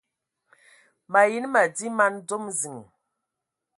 Mayi nə madi man dzom ziŋ.